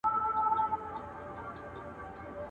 کله رېږدم له یخنیه کله سوځم له ګرمیه.